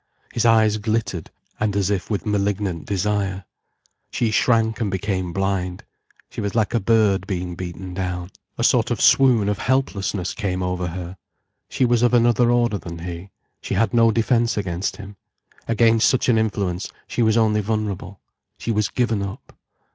His eyes glittered, and as if with malignant desire. She shrank and became blind. She was like a bird being beaten down. A sort of swoon of helplessness came over her. She was of another order than he, she had no defence against him. Against such an influence, she was only vulnerable, she was given up.